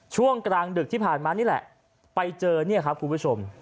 ช่วงกลางดึกที่ผ่านมานี่แหละไปเจอเนี่ยครับคุณผู้ชม